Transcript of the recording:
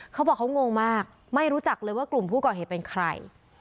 เขาบอกเขางงมากไม่รู้จักเลยว่ากลุ่มผู้ก่อเหตุเป็นใคร